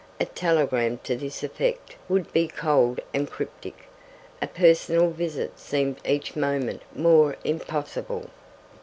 A telegram to this effect would be cold and cryptic, a personal visit seemed each moment more impossible.